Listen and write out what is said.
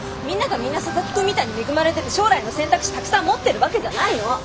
みんながみんな佐々木くんみたいに恵まれてて将来の選択肢たくさん持ってるわけじゃないの！